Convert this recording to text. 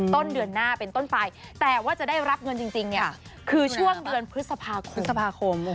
ต้นเดือนหน้าเป็นต้นไปแต่ว่าจะได้รับเงินจริงเนี่ยคือช่วงเดือนพฤษภาคม